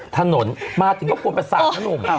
ถนนมาถึงก็ควรประสาทนะหนุ่ม